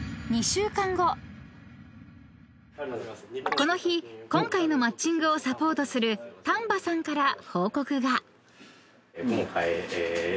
［この日今回のマッチングをサポートする丹波さんから報告が］